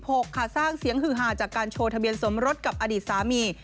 สร้างเสียงหือหาจากการโชว์ทะเบียนสมรสกับอดีตสามี